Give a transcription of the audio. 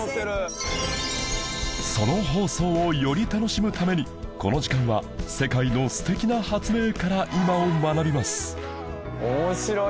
その放送をより楽しむためにこの時間は世界の素敵な発明から今を学びます